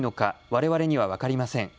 われわれには分かりません。